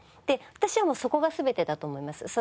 で私はそこが全てだと思います。